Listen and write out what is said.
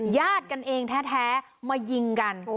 ญาติกันเองแท้มายิงกัน